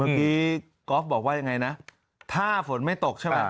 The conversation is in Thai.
เมื่อกี้กอล์ฟบอกว่าอย่างไรนะถ้าฝนไม่ตกใช่ไหม